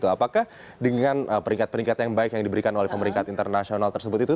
apakah dengan peringkat peringkat yang baik yang diberikan oleh pemeringkat internasional tersebut itu